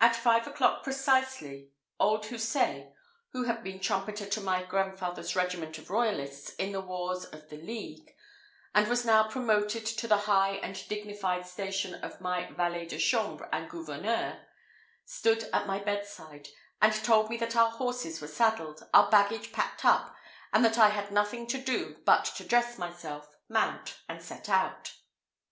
At five o'clock precisely, old Houssaye, who had been trumpeter to my grandfather's regiment of royalists in the wars of the League, and was now promoted to the high and dignified station of my valet de chambre and gouverneur, stood at my bed side, and told me that our horses were saddled, our baggage packed up, and that I had nothing to do but to dress myself, mount, and set out.